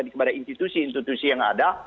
kepada institusi institusi yang ada